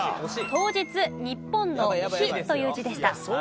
当日日本の「日」という字でした。